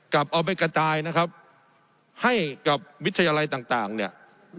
เอาไปกระจายนะครับให้กับวิทยาลัยต่างเนี่ย